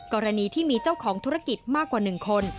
กรณีที่มีเจ้าของธุรกิจมากกว่า๑คน